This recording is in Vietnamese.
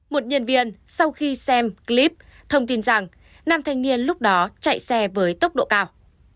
một nhân viên sau khi xem clip thông tin rằng nam thanh niên lúc đó chạy xe với tốc độ cao